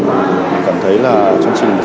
mình cảm thấy là chương trình